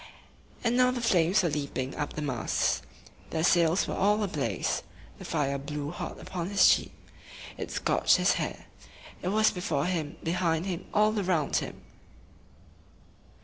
And now the flames were leaping up the masts. The sails were all ablaze. The fire blew hot upon his cheek. It scorched his hair. It was before him, behind him, all around him.